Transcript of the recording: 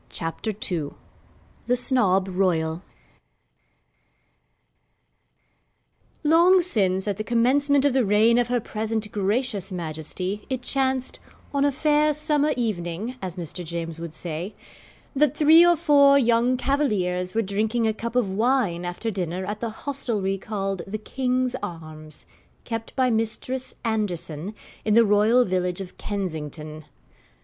CHAPTER II THE SNOB ROYAL Long since at the commencement of the reign of her present Gracious Majesty, it chanced 'on a fair summer evening,' as Mr. James would say, that three or four young cavaliers were drinking a cup of wine after dinner at the hostelry called the 'King's Arms,' kept by Mistress Anderson, in the royal village of Kensington.